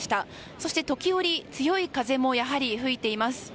そして時折強い風も吹いています。